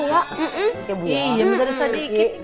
iya bisa sedikit